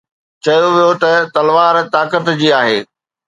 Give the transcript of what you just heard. چيو ويو ته تلوار طاقت جي آهي